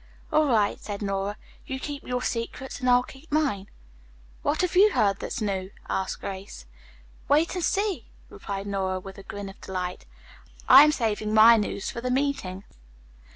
"All right," said Nora, "you keep your secrets and I'll keep mine." "What have you heard that's new?" asked Grace. "Wait and see," replied Nora, with a grin of delight. "I am saving my news for the meeting."